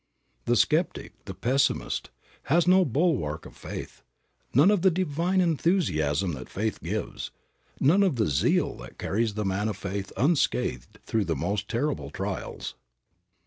The skeptic, the pessimist, has no bulwark of faith, none of the divine enthusiasm that faith gives, none of the zeal that carries the man of faith unscathed through the most terrible trials.